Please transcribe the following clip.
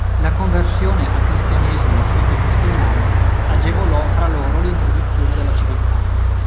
La conversione al Cristianesimo sotto Giustiniano agevolò fra loro l'introduzione della civiltà.